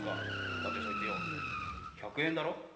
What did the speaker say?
だってそいつよ１００円だろ？